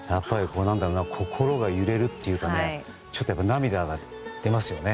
心が揺れるというかちょっと涙が出ますよね。